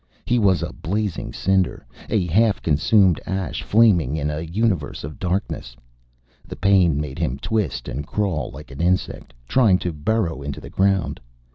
He was a blazing cinder, a half consumed ash flaming in a universe of darkness. The pain made him twist and crawl like an insect, trying to burrow into the ground.